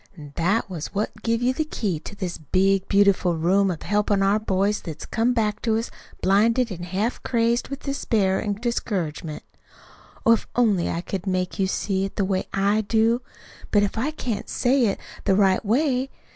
That was what give you the key to this big, beautiful room of helpin' our boys what's come back to us, blinded, an' half crazed with despair an' discouragement. Oh, if I only could make you see it the way I do! But I can't say it the right way.